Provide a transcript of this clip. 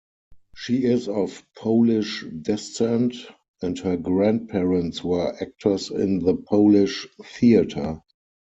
She is of Polish descent, and her grandparents were actors in the Polish theater.